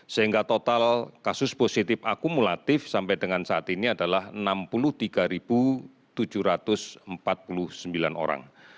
sehingga total kasus positif akumulatif sampai dengan saat ini adalah enam puluh tiga tujuh ratus empat puluh sembilan orang